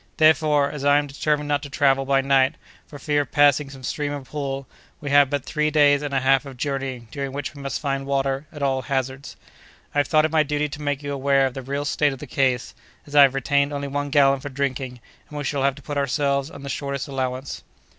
"Therefore, as I am determined not to travel by night, for fear of passing some stream or pool, we have but three days and a half of journeying during which we must find water, at all hazards. I have thought it my duty to make you aware of the real state of the case, as I have retained only one gallon for drinking, and we shall have to put ourselves on the shortest allowance."